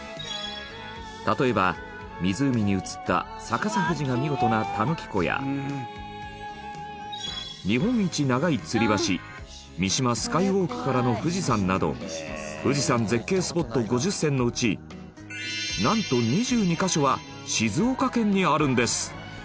例えば湖に映った逆さ富士が見事な田貫湖や日本一長いつり橋三島スカイウォークからの富士山など富士山絶景スポット５０選のうちなんと２２カ所は静岡県にあるんです。